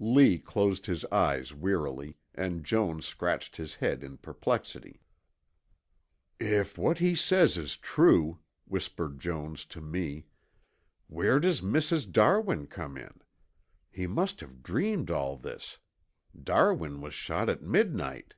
Lee closed his eyes wearily, and Jones scratched his head in perplexity. "If what he says is true," whispered Jones to me, "where does Mrs. Darwin come in? He must have dreamed all this. Darwin was shot at midnight."